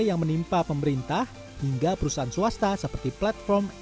mula yang menimpa pemerintah hingga perusan swasta seperti platform ecommerce